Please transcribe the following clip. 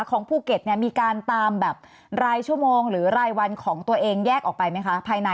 ของภูเก็ตเนี่ยมีการตามแบบรายชั่วโมงหรือรายวันของตัวเองแยกออกไปไหมคะภายใน